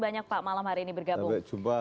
banyak pak malam hari ini bergabung sampai jumpa